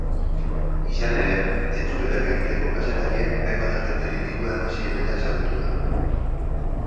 Izan ere, entzuketak egiteko kazetariek hainbat agenteri dirua eman zietela ezagutu da.